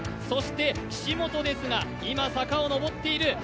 そして岸本ですが、今、坂を上っている。